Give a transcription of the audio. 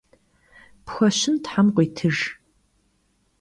Pxueşın them khıuitıjj!